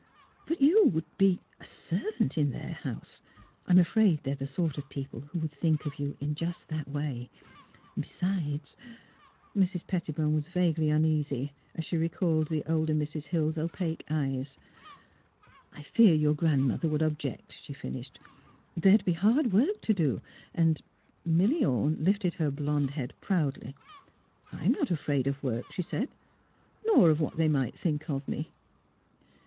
But you would be a — servant in their house. I'm afraid they're the sort of people who would think of you in just that way; besides " Mrs. Pettibone was vaguely uneasy, as she re called the older Mrs. Hill's opaque eyes. '* I fear your grandmother would object," she finished. '' There would be hard work to do, and " Milly Ome lifted her blond head proudly. 98 THE HEART OF PHILUEA ''I'm not afraid of work," she said, '' nor of what they might think of me."